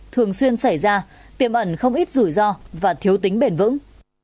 thường xuyên xảy ra tiềm ẩn không ít rủi ro và thiếu tính bền vững